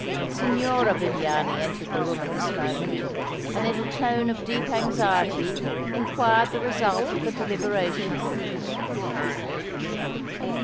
Signora Viviani entered the room at this moment, and in a tone of deep anxiety, inquired the result of the deliberation.